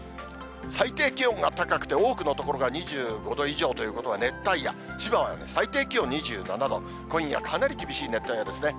最低気温が高くて、多くの所が２５度以上ということは熱帯夜、千葉は最低気温２７度、今夜、かなり厳しい熱帯夜ですね。